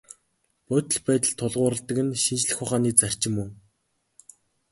Бодит байдалд тулгуурладаг нь шинжлэх ухааны зарчим мөн.